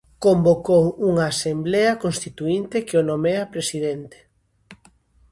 Convocou unha asemblea constituínte que o nomea Presidente.